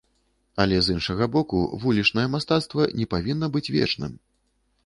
Але з іншага боку, вулічнае мастацтва не павінна быць вечным.